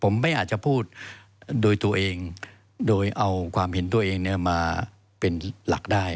ผมไม่อาจจะพูดโดยตัวเองโดยเอาความเห็นตัวเองมาเป็นหลักได้